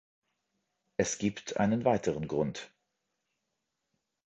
Es gibt einen weiteren Grund.